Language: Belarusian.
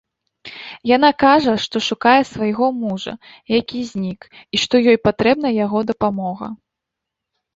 Яна кажа, што шукае свайго мужа, які знік, і што ёй патрэбна яго дапамога.